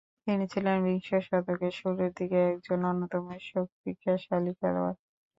তিনি ছিলেন বিংশ শতকের শুরুর দিকের একজন অন্যতম শক্তিশালী খেলোয়াড়।